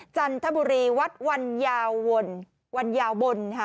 จันทบุรีวัดวันยาววนวันยาวบนค่ะ